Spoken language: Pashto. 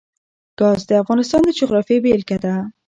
ګاز د افغانستان د جغرافیې بېلګه ده.